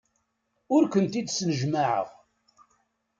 Ur kent-id-snejmaɛeɣ.